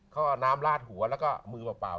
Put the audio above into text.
เขาน้ำลาจหัวแล้วมือเปล่า